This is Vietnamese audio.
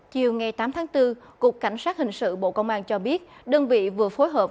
chiều tám bốn cục cảnh sát hình sự bộ công an cho biết đơn vị vừa phối hợp